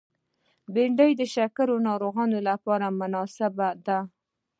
بېنډۍ د شکر ناروغانو لپاره مناسبه ده